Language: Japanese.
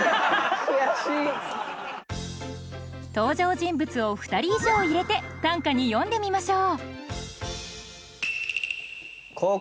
登場人物を２人以上入れて短歌に詠んでみましょう。